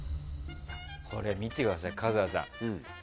これ見てください、春日さん。